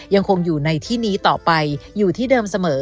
ยังคงอยู่ในที่นี้ต่อไปอยู่ที่เดิมเสมอ